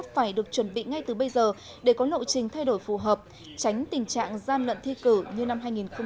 phải được chuẩn bị ngay từ bây giờ để có lộ trình thay đổi phù hợp tránh tình trạng gian lận thi cử như năm hai nghìn một mươi chín